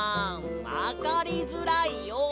わかりづらいよ。